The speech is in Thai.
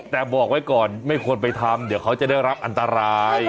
แต่บอกไว้ก่อนไม่ควรไปทำเดี๋ยวเขาจะได้รับอันตราย